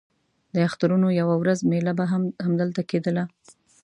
د اخترونو یوه ورځ مېله به هم همدلته کېدله.